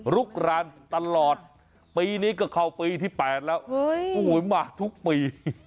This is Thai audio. ลุกรานตลอดปีนี้ก็เข้าปีที่๘แล้วมาทุกปี